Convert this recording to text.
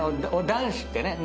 男子ってね。